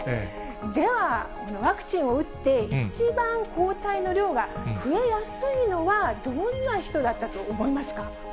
ではワクチンを打って、一番抗体の量が増えやすいのは、どんな人だったと思いますか？